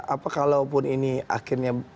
apakalaupun ini akhirnya